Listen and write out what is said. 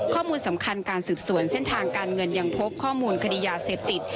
ข้อมูลสำคัญการสืบสวนเส้นทางการเงินยังพบข้อมูลคดียาเสพติด